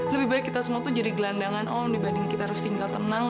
lebih baik kita semua tuh jadi gelandangan om dibanding kita harus tinggal tenang